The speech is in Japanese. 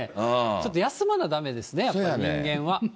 ちょっと休まなだめですね、やっぱり、人間は。